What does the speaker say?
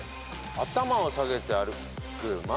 頭を下げて歩く。